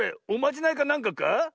おまじないかなんかか？